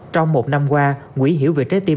trong một năm qua quỹ hiểu về trái tim